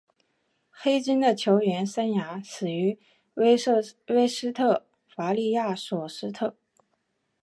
黑金的球员生涯始于威斯特伐利亚索斯特。